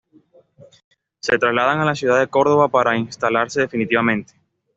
Se trasladan a la ciudad de Córdoba para instalarse definitivamente.